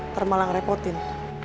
ntar malah ngerepotin